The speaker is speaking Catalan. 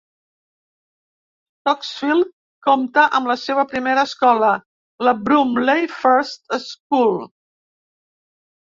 Stocksfield compta amb la seva primera escola, la Broomley First School.